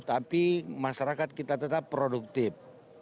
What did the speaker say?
tapi masyarakat kita tetap produktif